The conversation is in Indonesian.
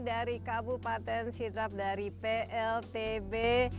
dari kabupaten sidrap dari pltb